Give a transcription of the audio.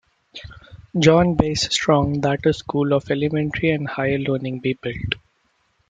John Bass Strong that a school of elementary and higher learning be built.